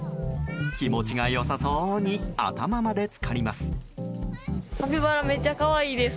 気持ちが良さそうに頭まで浸かります。